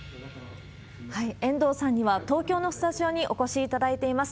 遠藤さんには東京のスタジオにお越しいただいています。